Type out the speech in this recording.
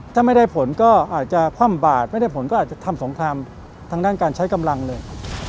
ถ้าไม่ได้ผลก็อาจจะคว่ำบาดไม่ได้ผลก็อาจจะทำสงครามทางด้านการใช้กำลังเลย